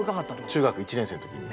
中学１年生の時に。